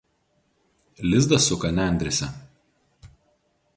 Lizdą suka nendrėse.